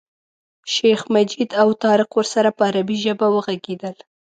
شیخ مجید او طارق ورسره په عربي ژبه وغږېدل.